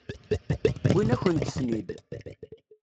Wwin-akent-ten-id.